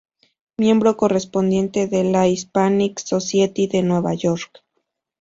Miembro correspondiente de la Hispanic Society de Nueva York.